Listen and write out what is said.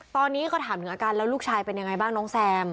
ตอนนี้ก็ถามถึงอาการแล้วลูกชายเป็นยังไงบ้างน้องแซม